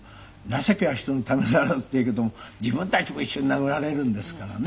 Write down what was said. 情けは人のためならずって言うけども自分たちも一緒に殴られるんですからね。